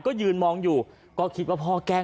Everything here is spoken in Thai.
ก็ยืนมองอยู่ก็คิดว่าพ่อแกล้ง